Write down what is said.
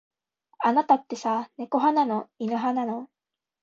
あなたってさ、猫派なの。犬派なの。